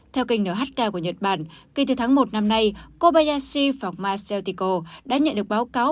theo kênh nhk của nhật bản kể từ tháng một năm nay kobayashi pharma sao chiko đã nhận được báo cáo